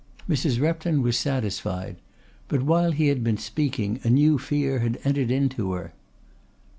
Mrs. Repton was satisfied. But while he had been speaking a new fear had entered into her.